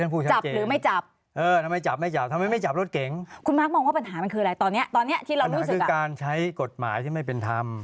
ปัญหาคือการใช้กฎหมายที่ไม่เป็นธรรม